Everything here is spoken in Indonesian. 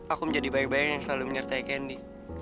aku menjadi baik baik yang selalu menyertai kendi